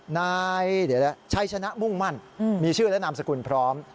นายชัยชนะมุ่งมั่นมีชื่อและนามสกุลพร้อม